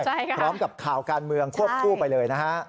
ใช่ค่ะพร้อมกับข่าวการเมืองควบคู่ไปเลยนะฮะ